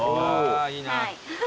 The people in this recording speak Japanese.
あいいな。